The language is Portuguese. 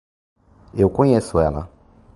Eu conheço ela